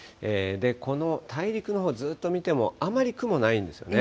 この大陸のほうずっと見ても、あまり雲ないんですよね。